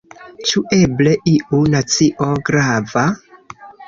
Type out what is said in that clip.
Ĉu eble iu nacio grava?